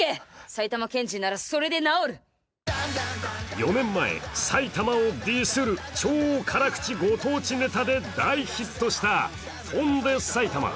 ４年前、埼玉をディスる超辛口ご当地ネタで大ヒットした「翔んで埼玉」。